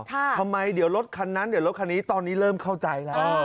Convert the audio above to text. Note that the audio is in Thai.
ทำไมเดี๋ยวรถคันนั้นเดี๋ยวรถคันนี้ตอนนี้เริ่มเข้าใจแล้ว